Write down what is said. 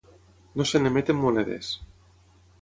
No se n'emeten monedes.